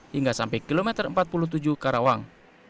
hingga sampai kilometer empat puluh tujuh karawang